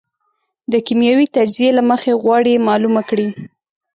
د کېمیاوي تجزیې له مخې غواړي معلومه کړي.